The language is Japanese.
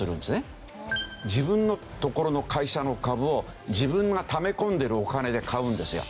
自分のところの会社の株を自分がため込んでるお金で買うんですよ。